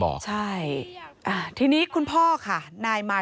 น้องหายแล้วน้องจะตามมา